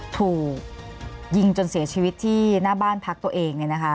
ถูกยิงจนเสียชีวิตที่หน้าบ้านพักตัวเอง